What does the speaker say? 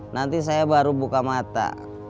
nanti saya baru buka mata